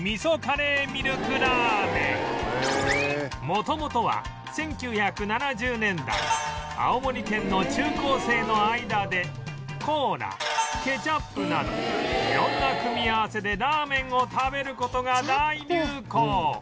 元々は１９７０年代青森県の中高生の間でコーラケチャップなど色んな組み合わせでラーメンを食べる事が大流行